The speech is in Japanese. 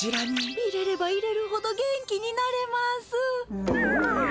入れれば入れるほど元気になれます。